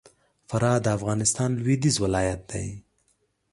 فراه د افغانستان لوېدیځ ولایت دی